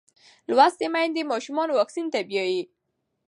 لوستې میندې ماشومان واکسین ته بیايي.